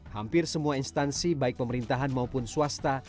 hampir semua instansi baik pemerintahan maupun swasta